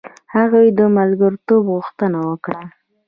هغوی د ملګرتوب غوښتنه وکړه.